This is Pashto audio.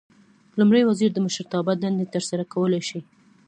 لومړی وزیر د مشرتابه دنده ترسره کولای شي.